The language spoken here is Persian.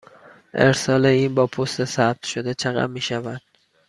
ارسال این با پست ثبت شده چقدر می شود؟